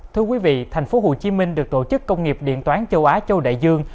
thành phố hồ chí minh được tổ chức công nghiệp điện toán châu á châu đại dương